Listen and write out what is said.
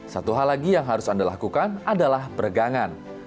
satu hal lagi yang harus anda lakukan adalah peregangan